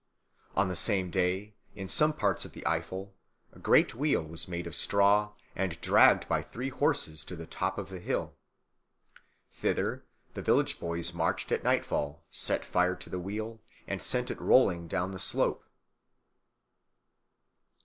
On the same day, in some parts of the Eifel, a great wheel was made of straw and dragged by three horses to the top of the hill. Thither the village boys marched at nightfall, set fire to the wheel, and sent it rolling down the slope.